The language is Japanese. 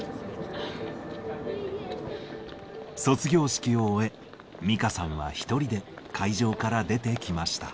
卒業式を終え、ミカさんは１人で会場から出てきました。